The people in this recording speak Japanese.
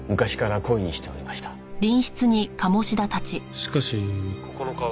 しかし９日は。